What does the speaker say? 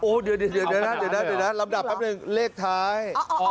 โอ้โหเดี๋ยวลำดับแป๊บนึงเลขท้ายอ๋อ